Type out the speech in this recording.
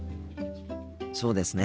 そうですね。